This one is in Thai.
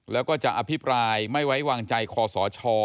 แล้วก็จะอภิปรายไม่ไว้วางใจคอสช